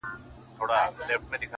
په اور دي وسوځم” په اور مي مه سوځوه”